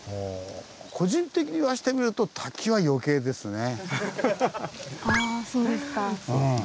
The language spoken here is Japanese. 個人的に言わせてみるとあそうですか。